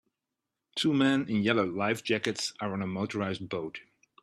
Two men in yellow life jackets are on a motorized boat.